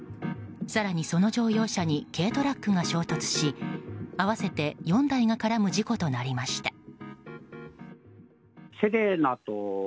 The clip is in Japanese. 更にその乗用車に軽トラックが衝突し合わせて４台が絡む事故となりました。